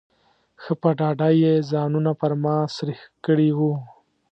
ښه په ډاډه یې ځانونه پر ما سرېښ کړي وو.